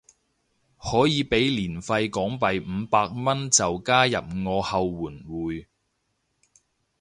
可以俾年費港幣五百蚊加入我後援會